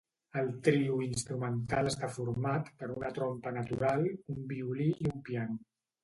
El trio instrumental està format per una trompa natural, un violí i un piano.